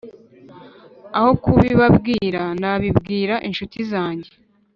Aho kubibabwira nabibwira incuti zanjye